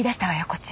こっち。